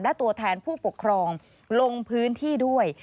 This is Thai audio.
และตัวแทนผู้ปกครองลงพื้นที่ด้วย